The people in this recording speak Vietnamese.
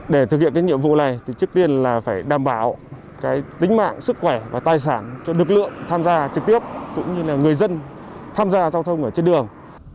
để thực hiện nhiệm vụ này trước tiên là phải đảm bảo tính mạng sức khỏe và tài sản cho lực lượng tham gia trực tiếp cũng như người dân tham gia giao thông trên đường